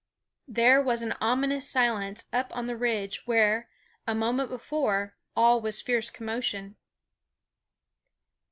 There was an ominous silence up on the ridge where, a moment before, all was fierce commotion.